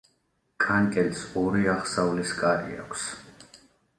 კანკელს ორი აღსავლის კარი აქვს.